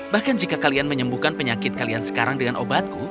bahkan jika kalian menyembuhkan penyakit kalian sekarang dengan obatku